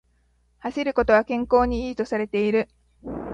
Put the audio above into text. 走ることは健康に良いとされている